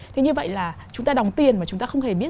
thế như vậy là chúng ta đóng tiền mà chúng ta không hề biết